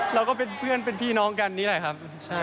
เราก็เป็นเพื่อนเป็นพี่น้องกันนี่แหละครับ